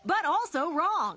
そう。